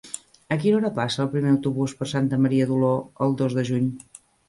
A quina hora passa el primer autobús per Santa Maria d'Oló el dos de juny?